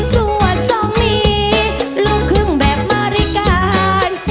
สัวสมมินลูกเครื่องแบบอริการ